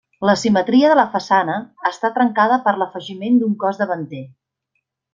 La simetria de la façana està trencada per l'afegiment d'un cos davanter.